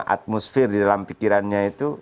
atmosfer di dalam pikirannya itu